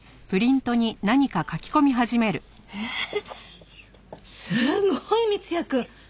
えっすごい三ツ矢くん。